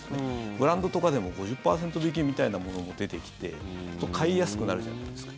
ブランドとかでも５０％引きみたいなものも出てきて買いやすくなるじゃないですか。